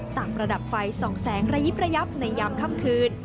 ประดับไฟส่องแสงระยิบระยับในยามค่ำคืน